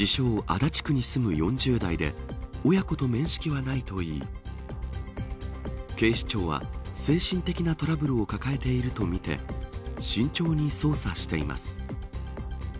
足立区に住む４０代で親子と面識はないといい警視庁は精神的なトラブルを抱えているとみて慎重に捜査しています。